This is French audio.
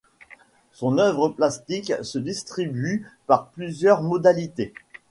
Son œuvre plastique se distribue par plusieurs modalités.